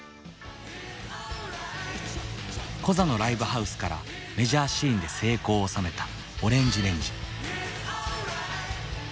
コザのライブハウスからメジャーシーンで成功を収めたＯＲＡＮＧＥＲＡＮＧＥ。